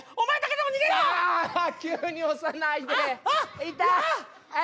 急に押さないで痛い。